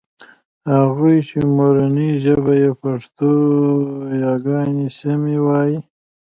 هغوی چې مورنۍ ژبه يې پښتو ده یاګانې سمې وايي